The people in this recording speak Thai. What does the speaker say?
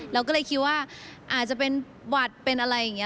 เราก็เลยคิดว่าอาจจะเป็นหวัดเป็นอะไรอย่างนี้